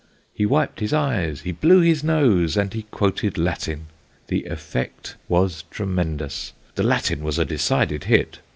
He wiped his eyes, ho blew his nose, and he quoted Latin. The effect was tremendous the Latin was a decided hit.